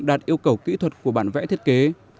đạt yêu cầu kỹ thuật của bản vẽ thiết kế